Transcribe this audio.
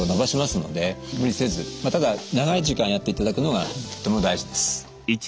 まあただ長い時間やっていただくのがとても大事です。